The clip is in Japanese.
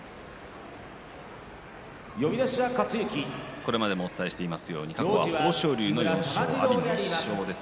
これまでお伝えしているようにこれまで豊昇龍の４勝阿炎の１勝です。